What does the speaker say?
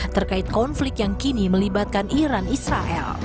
terkait konflik yang kini melibatkan iran israel